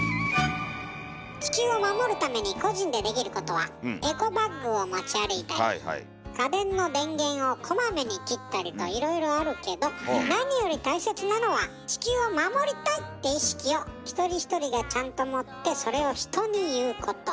地球を守るために個人でできることはといろいろあるけど何より大切なのは「地球を守りたい」って意識を一人一人がちゃんと持ってそれを人に言うこと。